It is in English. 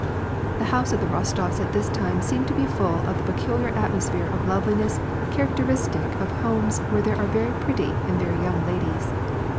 The house of the Rostofs at this time seemed to be full of the peculiar atmosphere of loveliness characteristic of homes where there are very pretty and very young ladies.